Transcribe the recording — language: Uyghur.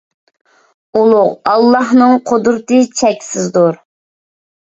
ئۇلۇغ ئاللاھنىڭ قۇدرىتى چەكسىزدۇر!